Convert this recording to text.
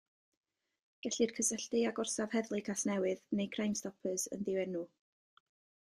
Gellir cysylltu â gorsaf heddlu Casnewydd neu Crimestoppers yn ddienw.